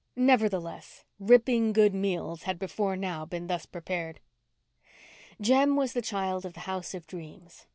Nevertheless, ripping good meals had before now been thus prepared. Jem was the child of the House of Dreams.